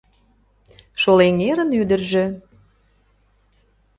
Шолэҥерын ӱдыржӧ